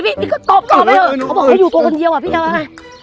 เดี๋ยวลอยดูเขาตอบกับนะ